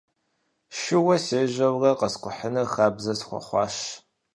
Шууэ сежьэурэ къэскӀухьыныр хабзэ схуэхъуащ.